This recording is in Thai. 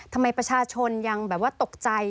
ทำไมประชาชนยังตกใจ